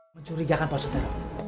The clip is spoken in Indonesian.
mencurigakan pak suter